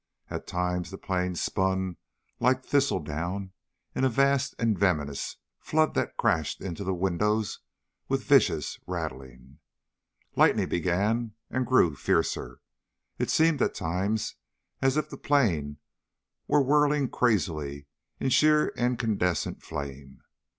At times the plane spun like thistledown in a vast and venomous flood that crashed into the windows with a vicious rattling. Lightning began and grew fiercer. It seemed at times as if the plane were whirling crazily in sheer incandescent flame.